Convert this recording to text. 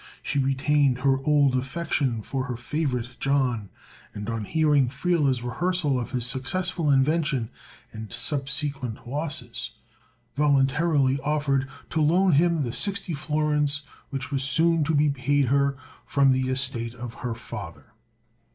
She retained her old affection for her favorite John, and, on hearing Friele's rehearsal of his successful invention and subsequent losses, voluntarily offered to loan him the sixty florins which was soon to be paid her from the estate of her father.